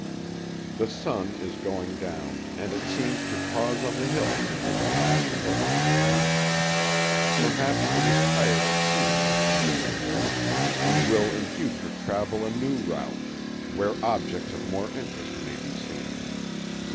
The sun is going down, and it seems to pause on the hill to take a last look at the town. Perhaps it is tired of seeing it from day to day, and will in future travel a new route, where objects of more interest may be seen.